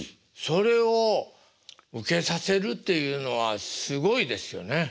それをウケさせるっていうのはすごいですよね。